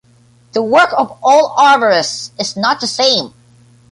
The work of all arborists is not the same.